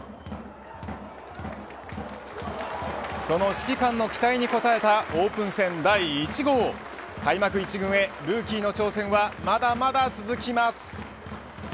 その指揮官の期待に応えたオープン戦第１号開幕一軍へルーキーの挑戦はまだまだ続きます。